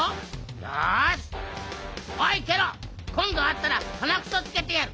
よしおいケロこんどあったらはなくそつけてやる。